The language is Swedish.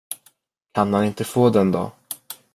Kan han inte få den då?